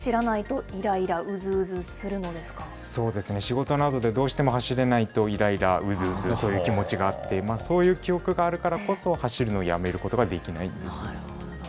富田さんも走らないといらいら、そうですね、仕事などでどうしても走れないといらいら、うずうず、そういう気持ちがあって、そういう記憶があるからこそ、走るのをやめることなるほど。